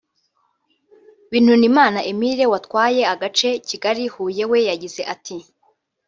Bintunimana Emile watwaye agace Kigali -Huye we yagize ati